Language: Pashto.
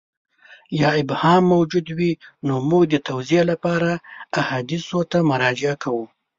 یا ابهام موجود وي نو موږ د توضیح لپاره احادیثو ته مراجعه کوو.